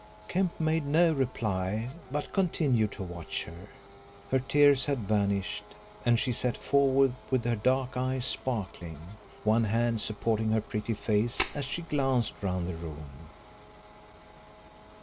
Kemp made no reply but continued to watch her. Her tears had vanished and she sat forward with her dark eyes sparkling, one hand supporting her pretty face as she glanced round the room.